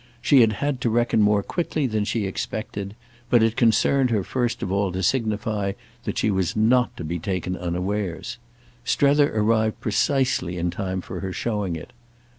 She had had to reckon more quickly than she expected; but it concerned her first of all to signify that she was not to be taken unawares. Strether arrived precisely in time for her showing it.